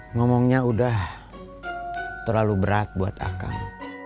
ngomongnya udah terlalu berat buat akan